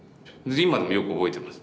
今でもよく覚えてます